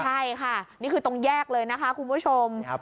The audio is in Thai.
ใช่ค่ะนี่คือตรงแยกเลยนะคะคุณผู้ชมนี่ค่ะปืนค่ะ